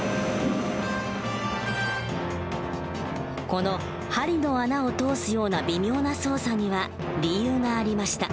この針の穴を通すような微妙な操作には理由がありました。